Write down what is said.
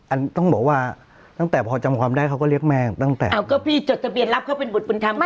ต้องบอกว่าตั้งแต่พอจำความได้เขาก็เรียกแม่ตั้งแต่เอาก็พี่จดทะเบียนรับเขาเป็นบุตรบุญธรรมให้